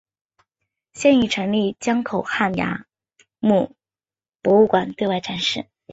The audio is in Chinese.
现已成立江口汉崖墓博物馆对外展示。